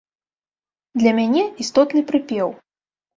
Для мяне істотны прыпеў.